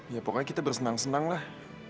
ya pokoknya kita bersenang senang lah